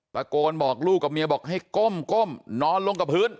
ตะโกนบอกลูกกับเมียบอกให้ก้มนอนลงกับพื้น